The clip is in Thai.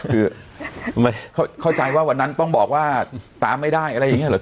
คือเข้าใจว่าวันนั้นต้องบอกว่าตามไม่ได้อะไรอย่างนี้เหรอ